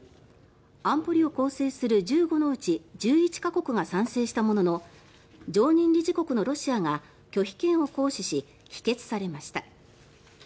安保理を構成する１５のうち１１か国が賛成したものの常任理事国のロシアが拒否権を行使し否決されました。